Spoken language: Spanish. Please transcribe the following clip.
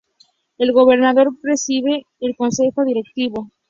El gobernador preside el consejo directivo.